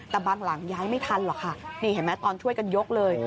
แต่บางหลังย้ายไม่ทันหรอกค่ะนี่เห็นไหมตอนช่วยกันยกเลย